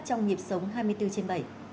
trong nhịp sóng hai mươi bốn trên bảy